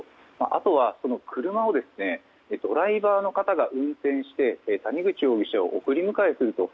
あとは車をドライバーの方が運転して谷口容疑者を送り迎えすると。